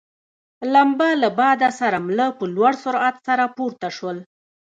لمبه له باده سره مله په لوړ سرعت سره پورته شول.